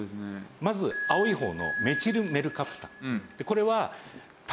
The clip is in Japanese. まず青い方のメチルメルカプタン。